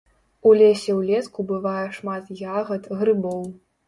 У лесе ўлетку бывае шмат ягад, грыбоў.